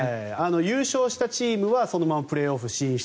優勝したチームはそのままプレーオフ進出。